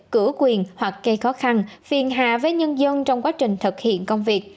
cử quyền hoặc cây khó khăn phiền hạ với nhân dân trong quá trình thực hiện công việc